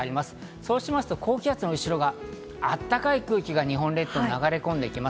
そうしますと高気圧の後ろ側からあったかい空気が日本列島に流れ込んでいきます。